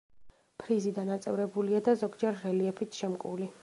ფრიზი დანაწევრებულია და ზოგჯერ რელიეფით შემკული.